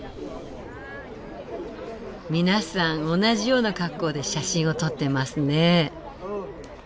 皆さん同じような格好で写真を撮ってますね。